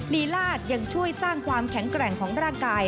ลีลาดยังช่วยสร้างความแข็งแกร่งของร่างกาย